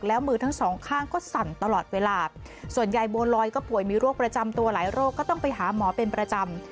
แล้วมือทั้งสองข้างก็สั่นตลอดเวลาส่วนยายบัวลอยก็ป่วยมีโรคประจำตัวหลายโรคก็ต้องไปหาหมอเป็นประจำ